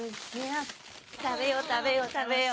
食べよう食べよう食べよう。